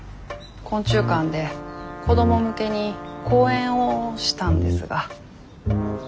昆虫館で子ども向けに講演をしたんですが。